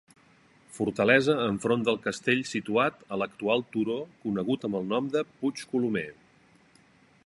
Fortalesa enfront del castell situat a l'actual turó conegut amb el nom de Puig Colomer.